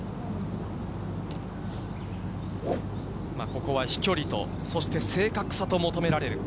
ここは飛距離と、そして正確さと求められる。